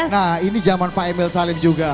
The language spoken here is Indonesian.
nah ini zaman pak emil salim juga